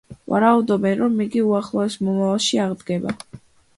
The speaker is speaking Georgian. ვარაუდობენ, რომ იგი უახლოეს მომავალში აღდგება.